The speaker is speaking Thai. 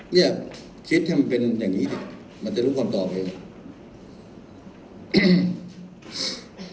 เนี่ยคลิปถ้ามันเป็นอย่างนี้ดิมันจะรู้คำตอบเอง